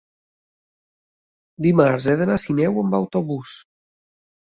Dimarts he d'anar a Sineu amb autobús.